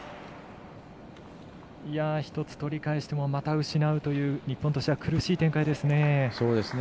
１つ取り返してもまた失うという日本としては苦しい展開ですね。